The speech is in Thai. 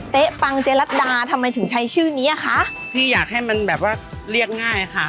๊ปังเจรัตดาทำไมถึงใช้ชื่อนี้อ่ะคะพี่อยากให้มันแบบว่าเรียกง่ายค่ะ